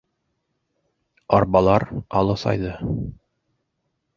Арбалар алыҫайҙы.